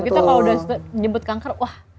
kita kalau udah nyebut kanker wah